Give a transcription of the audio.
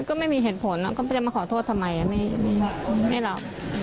ก็ไม่มีเหตุผลก็ไม่ได้มาขอโทษทำไมไม่หลับ